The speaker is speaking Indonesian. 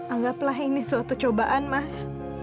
anggaplah ini suatu cobaan mas